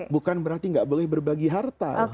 bukan berarti nggak boleh berbagi harta